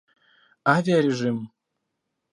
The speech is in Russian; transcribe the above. Авиарежим